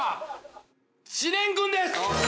知念君です！